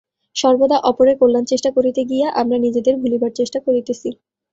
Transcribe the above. সর্বদা অপরের কল্যাণচেষ্টা করিতে গিয়া আমরা নিজেদের ভুলিবার চেষ্টা করিতেছি।